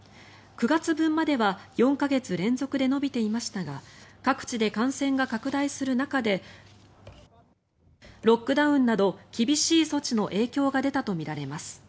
９月分までは４か月連続で伸びていましたが各地で感染が拡大する中でロックダウンなど厳しい措置の影響が出たとみられます。